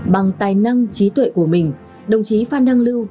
bằng tài năng trí tuệ của mình đồng chí phan đăng lưu